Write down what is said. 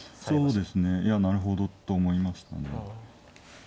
そうですねいやなるほどと思いましたね。